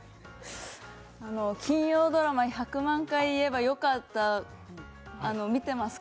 金曜ドラマ「１００万回言えばよかった」見てますか？